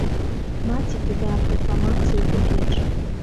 Маці кідае пракламацыі ў печ.